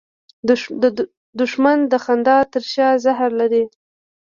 دښمن د خندا تر شا زهر لري